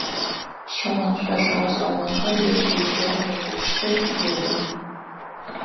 Щыгъын шъошэ гъэшӏэгъонхэр ежь-ежьырэу къеугупшысых, едых.